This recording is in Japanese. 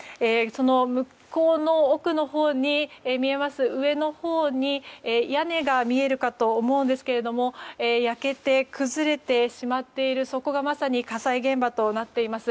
向こうの奥のほうに上のほうに屋根が見えるかと思うんですが焼けて崩れてしまっているそこが、まさに火災現場となっています。